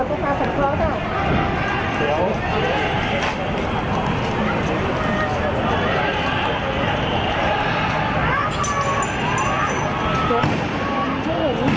สวัสดีครับ